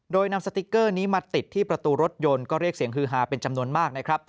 โดยนำสติ๊กเกอร์นี้มาติดที่ประตูรถยนต์ก็เรียกเสียงฮือฮาเป็นจำนวนมากนะครับ